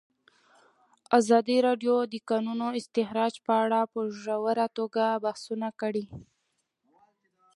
ازادي راډیو د د کانونو استخراج په اړه په ژوره توګه بحثونه کړي.